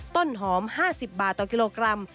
ต้นหอม๕๐บาทต่อกิโลกรัม